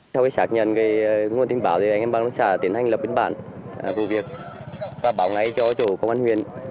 câu chuyện trả thù cá nhân